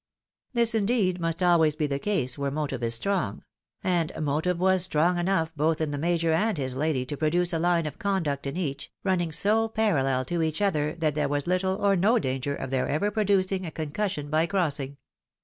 This, indeed, must always be the case where motive is strong ; and motive was strong enough both in the Major and his lady to produce a line of conduct in each, running so parallel to each other that there was little or no danger of their ever producing a concus sion by crossing.